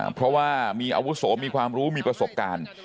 เพราะว่ามีอาวุโสมีความรู้มีประสบการณ์